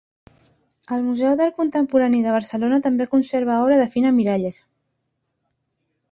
El Museu d'Art Contemporani de Barcelona també conserva obra de Fina Miralles.